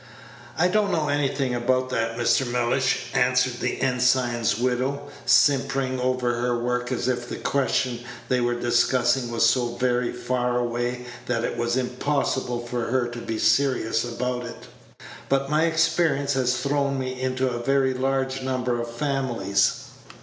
"I don't know anything about that, Mr. Mellish," answered the ensign's widow, simpering over her work as if the question they were discussing was so very far away that it was impossible for her to be serious about it; "but my experience has thrown me into a very large number of families."